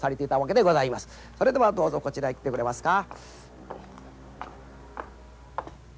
それではどうぞこちらへ来てくれますか。